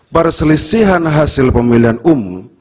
perselisihan hasil pemilihan umum